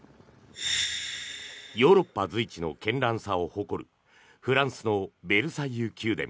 ヨーロッパ随一の絢爛さを誇るフランスのベルサイユ宮殿。